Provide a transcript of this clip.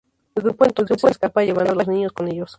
El grupo entonces se escapa, llevando a los niños con ellos.